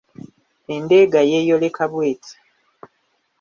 Endeega yeeyoleka bw’eti: